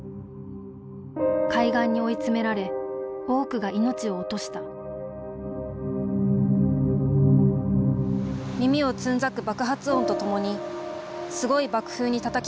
海岸に追い詰められ多くが命を落とした「耳をつんざく爆発音とともに凄い爆風に叩きつけられました。